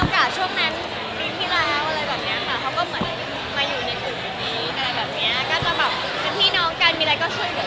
ก็จะแบบพี่น้องกันมีอะไรก็ช่วยเหมือนกัน